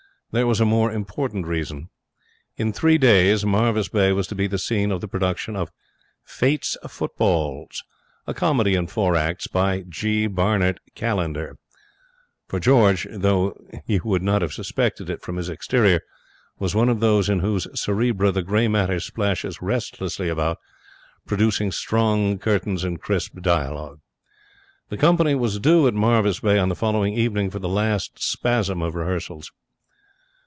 There was a more important reason. In three days Marvis Bay was to be the scene of the production of Fate's Footballs, a comedy in four acts by G. Barnert Callender. For George, though you would not have suspected it from his exterior, was one of those in whose cerebra the grey matter splashes restlessly about, producing strong curtains and crisp dialogue. The company was due at Marvis Bay on the following evening for the last spasm of rehearsals.